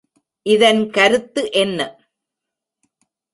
இதன் கருத்து என்ன?